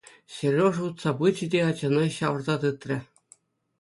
Сережа утса пычӗ те ачана ҫавӑрса тытрӗ.